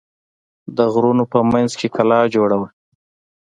د غرونو په منځ کې کلا جوړه وه.